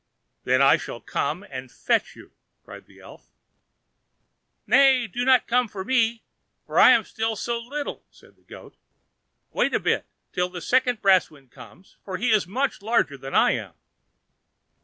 "Then I shall come and fetch you," cried the elf. "Nay, do not come for me, for I am still so little," said the goat; "wait a bit, till the second Brausewind comes, for he is much larger than I am."